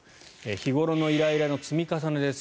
日頃のイライラの積み重ねです